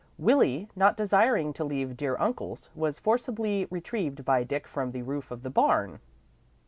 Willie, not desiring to leave "dear uncle's," was forcibly retrieved by Dick from the roof of the barn.